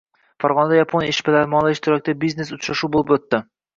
Farg‘onada Yaponiya ishbilarmonlari ishtirokida biznes-uchrashuv bo‘lib o‘tding